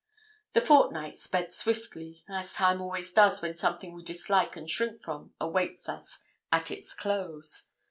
The fortnight sped swiftly, as time always does when something we dislike and shrink from awaits us at its close.